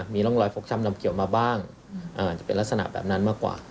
มีร่องรอยฟกช้ำดำเขียวมาบ้างอาจจะเป็นลักษณะแบบนั้นมากกว่า